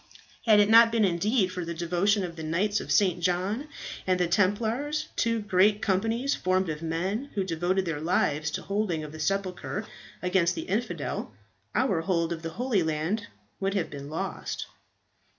Had it not been indeed for the devotion of the Knights of St. John and of the Templars, two great companies formed of men who devoted their lives to the holding of the sepulchre against the infidel, our hold of the Holy Land would have been lost.